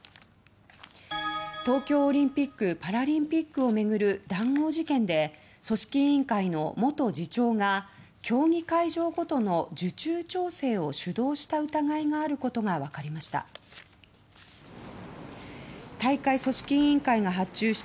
東京オリンピック・パラリンピックを巡る談合事件で組織委員会の元次長が競技会場ごとの受注調整を主導した疑いがあることがわかりました。